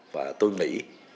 và tôi nghĩ